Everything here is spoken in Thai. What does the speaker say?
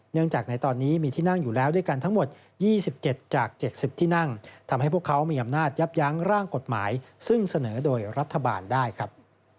จากในตอนนี้มีที่นั่งอยู่แล้วด้วยกันทั้งหมด๒๗จาก๗๐ที่นั่งทำให้พวกเขามีอำนาจยับยั้งร่างกฎหมายซึ่งเสนอโดยรัฐบาลได้ครับ